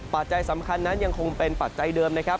ปัจจัยสำคัญนั้นยังคงเป็นปัจจัยเดิมนะครับ